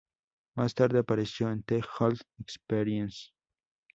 Más tarde apareció en The Gold Experience.